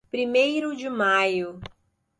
Primeiro de Maio